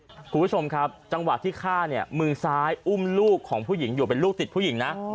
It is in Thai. คุณผู้ชมครับจังหวะที่ฆ่าเนี่ยมือซ้ายอุ้มลูกของผู้หญิงอยู่เป็นลูกติดผู้หญิงนะ